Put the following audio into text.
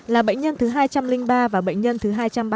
là bệnh nhân thứ hai trăm linh ba và bệnh nhân thứ hai trăm ba mươi